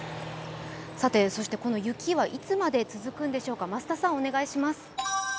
この雪はいつまで続くんでしょうか、増田さんお願いします。